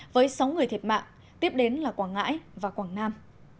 với sáu người thiệt mạng tiếp đến là quảng ngãi và quảng nam